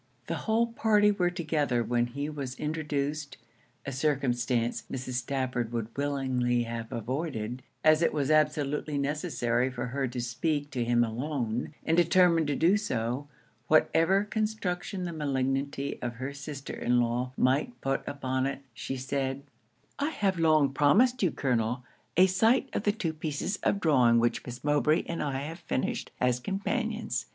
The whole party were together when he was introduced a circumstance Mrs. Stafford would willingly have avoided, as it was absolutely necessary for her to speak to him alone; and determined to do so, whatever construction the malignity of her sister in law might put upon it, she said 'I have long promised you, Colonel, a sight of the two pieces of drawing which Miss Mowbray and I have finished as companions.